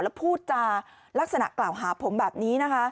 แล้วพูดจาลักษณะกล่าวหาผมแบบนี้นะคะ